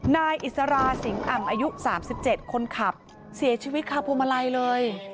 นายอิสราสิงอ่ำอายุ๓๗คนขับเสียชีวิตคาพวงมาลัยเลย